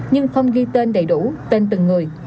nhưng không ghi tên đầy đủ tên từng người